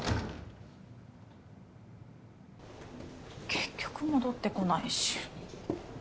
結局戻ってこないし。